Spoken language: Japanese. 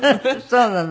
そうなの。